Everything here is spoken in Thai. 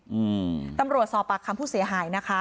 อืมตำรวจสอบปากคำผู้เสียหายนะคะ